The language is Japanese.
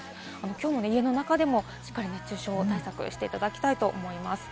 きょうも家の中でもしっかり熱中症対策していただきたいと思います。